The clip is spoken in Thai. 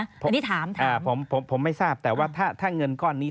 อันนี้ถามแทนผมผมไม่ทราบแต่ว่าถ้าเงินก้อนนี้